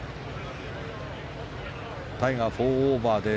タイガー、４オーバーで